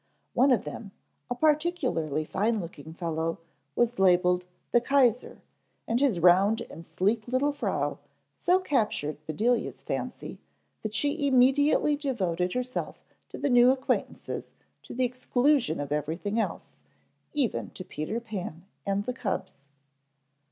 One of them, a particularly fine looking fellow, was labeled "the Kaiser," and his round and sleek little frau so captured Bedelia's fancy that she immediately devoted herself to the new acquaintances to the exclusion of everything else, even to Peter Pan and the cubs.